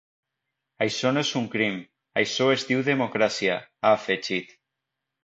Això no és un crim, això es diu democràcia, ha afegit.